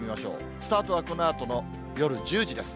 スタートはこのあとの夜１０時です。